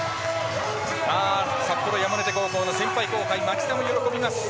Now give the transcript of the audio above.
札幌山の手高校の先輩・後輩、町田も喜びます。